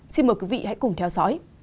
xin mời quý vị hãy cùng theo dõi